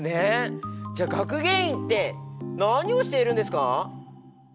じゃあ学芸員って何をしているんですか？